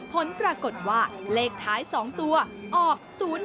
ผลปรากฏว่าเลขท้าย๒ตัวออก๐๕